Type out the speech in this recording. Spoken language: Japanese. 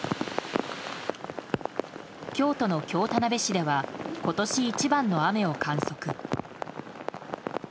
京都の京田辺市では今年一番の雨を観測。